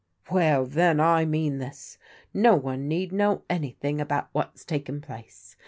Well, then, I mean this : no one need know anything about whafs taken place.